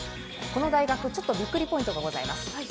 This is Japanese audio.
この大学ちょっとびっくりポイントがございます。